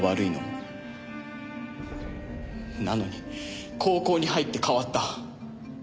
なのに高校に入って変わった。